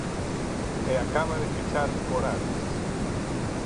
E acaba de fichar por Ares.